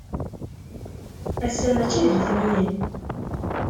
Ass-a maci d letniyen.